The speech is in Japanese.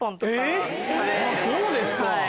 あっそうですか！